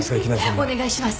お願いします。